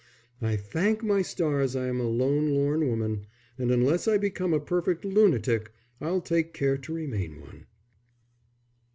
"I thank my stars I am a lone, lorn woman, and unless I become a perfect lunatic I'll take care to remain one."